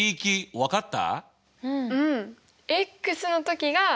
分かった。